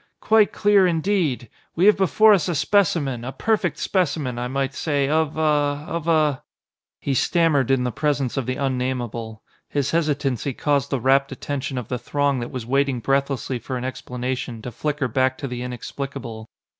Quite clear, indeed. We have before us a specimen, a perfect specimen, I might say, of a of a " He stammered in the presence of the unnamable. His hesitancy caused the rapt attention of the throng that was waiting breathlessly for an explanation, to flicker back to the inexplicable.